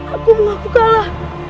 aku mengaku kalah